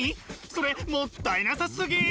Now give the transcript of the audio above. それもったいなさすぎ！